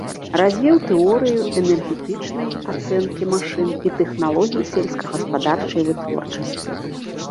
Развіў тэорыю энергетычнай ацэнкі машын і тэхналогій сельскагаспадарчай вытворчасці.